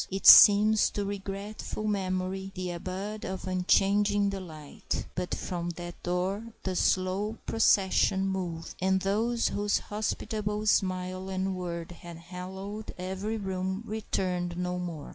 It seems to regretful memory the abode of unchanging delight. But from that door the slow procession moved, and those whose hospitable smile and word had hallowed every room returned no more.